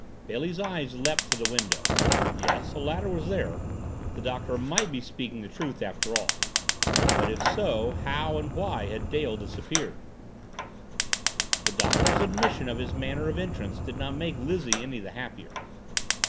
Bailey's eyes leaped to the window yes a ladder was there the Doctor might be speaking the truth after all. But if so, how and why had Dale disappeared? The Doctor's admission of his manner of entrance did not make Lizzie any the happier.